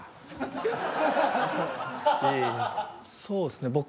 そうっすね